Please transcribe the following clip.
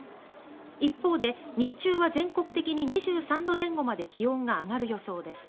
一方で日中は全国的に２３度前後まで気温が上がる予想です。